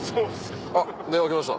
あっ電話来ました